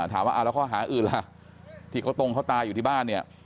แล้วก็ข้อหาอื่นอะที่เขาตรงตายอยู่ที่บ้านเนี่ย